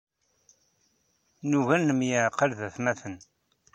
Nugi ad nemyaɛqal d atmaten.